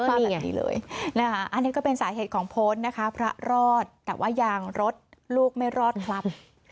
อันนี้ก็เป็นสาเหตุของโพสนะคะพระรอดแต่ว่ายางรดลูกไม่รอดครับ